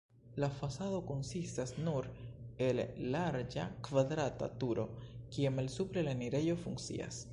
La fasado konsistas nur el larĝa kvadrata turo, kie malsupre la enirejo funkcias.